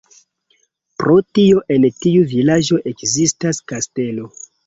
Pro tio en tiu vilaĝo ekzistas kastelo.